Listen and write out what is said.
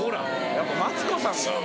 やっぱマツコさんが。